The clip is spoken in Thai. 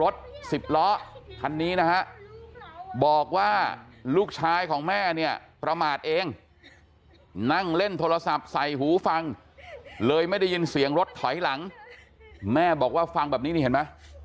โทรศัพท์ใส่หูฟังเลยไม่ได้ยินเสียงรถถอยหลังแม่บอกว่าฟังแบบนี้เห็นไหม